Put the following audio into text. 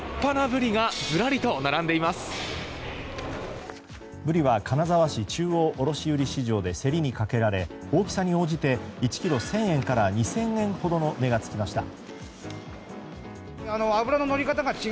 ブリは金沢市中央卸売市場で競りにかけられ大きさに応じて１ｋｇ１０００円から２０００円ほどの値が付きました。